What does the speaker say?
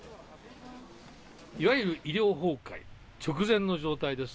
いわゆる医療崩壊直前の状態です。